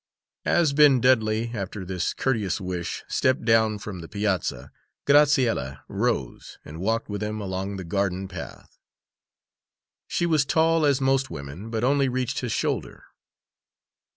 As Ben Dudley, after this courteous wish, stepped down from the piazza, Graciella rose and walked with him along the garden path. She was tall as most women, but only reached his shoulder.